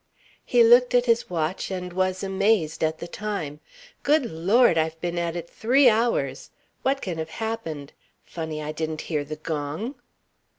He looked at his watch and was amazed at the time. "Good Lord! I've been at it three hours. What can have happened? Funny I didn't hear the gong."